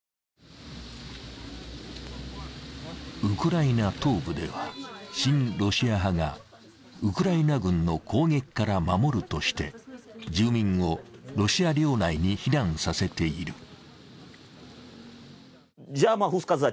ウクライナ東部では親ロシア派がウクライナ軍の攻撃から守るとして住民をロシア領内に避難させている。